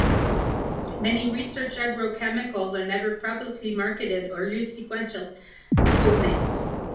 Many research agrochemicals are never publicly marketed or use sequential code names.